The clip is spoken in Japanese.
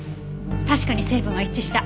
確かに成分は一致した。